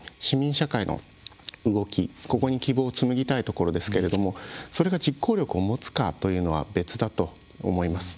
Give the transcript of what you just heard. ここに希望をつむぎたいところですけれどもそれが実効力を持つかというのは別だと思います。